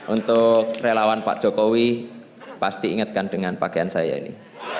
untuk relawan pak jokowi pasti ingatkan dengan pakaian saya ini